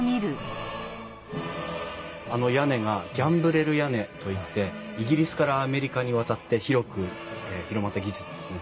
あの屋根がギャンブレル屋根といってイギリスからアメリカに渡ってひろく広まった技術ですね。